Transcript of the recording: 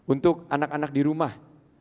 untuk anak anak di rumah